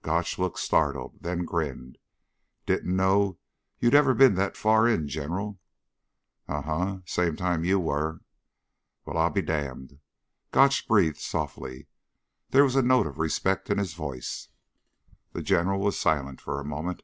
Gotch looked startled, then grinned. "Didn't know you'd ever been that far in, General." "Uh huh, same time you were." "Well, I'll be damned," Gotch breathed softly. There was a note of respect in his voice. The General was silent for a moment.